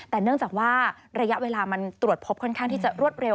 แต่เนื่องจากว่าระยะเวลามันตรวจพบค่อนข้างที่จะรวดเร็ว